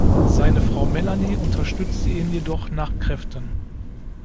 Seine Frau Melanie unterstützte ihn jedoch nach Kräften.